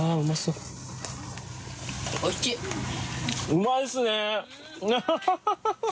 うまいですね